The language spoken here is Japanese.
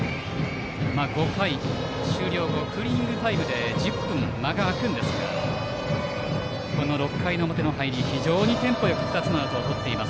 ５回終了後、クーリングタイムで１０分、間が空くんですがこの６回の表の入り非常にテンポよく２つのアウトをとっています。